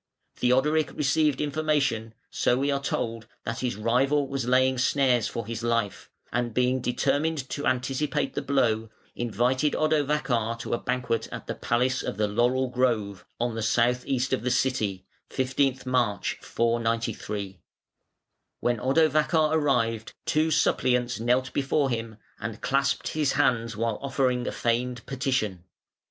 Theodoric received information so we are told that his rival was laying snares for his life, and being determined to anticipate the blow, invited Odovacar to a banquet at "the Palace of the Laurel grove", on the south east of the city (15th March, 493). When Odovacar arrived, two suppliants knelt before him and clasped his hands while offering a feigned petition.